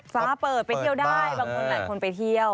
ฟ้าเปิดไปเที่ยวได้บางคนหลายคนไปเที่ยว